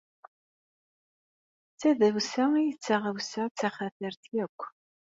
D tadawsa i d taɣawsa taxatart akk.